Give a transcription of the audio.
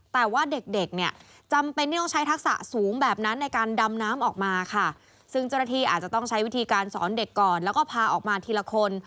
แต่ว่าเด็กเด็กเนี่ยจำเป็นที่ต้องใช้ทักษะสูงแบบนั้นในการดำน้ำออกมาค่ะซึ่งเจ้าหน้าที่อาจจะต้องใช้วิธีการสอนเด็กก่อนแล้วก็พาออกมาทีละคน